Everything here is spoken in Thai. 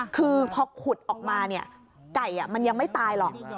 คือพอขุดออกมาเนี่ยไก่มันยังไม่ตายหรอก